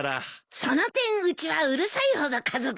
その点うちはうるさいほど家族がいるからね。